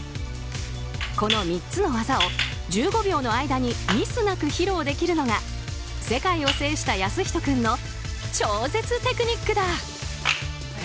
この３つの技を１５秒の間にミスなく披露できるのが世界を制した靖仁君の超絶テクニックだ。